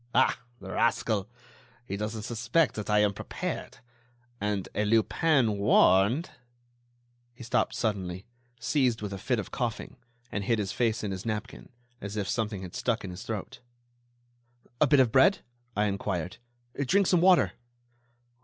Ah! the rascal ... he doesn't suspect that I am prepared ... and a Lupin warned—" He stopped suddenly, seized with a fit of coughing, and hid his face in his napkin, as if something had stuck in his throat. "A bit of bread?" I inquired. "Drink some water."